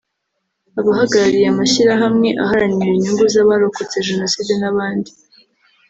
abahagarariye amashyirahamwe aharanira inyungu z’abarokotse Jenoside n’abandi